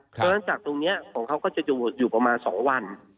เพราะฉะนั้นจากตรงนี้ของเขาก็จะอยู่ประมาณ๒วัน